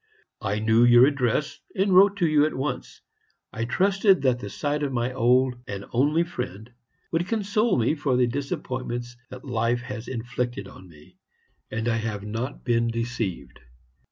I knew your address, and wrote to you at once. I trusted that the sight of my old and only friend would console me for the disappointments that life has inflicted on me and I have not been deceived.